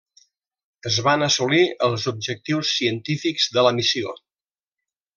Es van assolir els objectius científics de la missió.